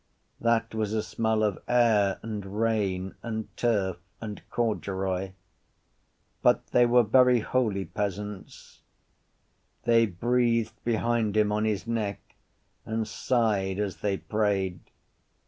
That was a smell of air and rain and turf and corduroy. But they were very holy peasants. They breathed behind him on his neck and sighed as they prayed.